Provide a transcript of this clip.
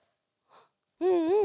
うんうん。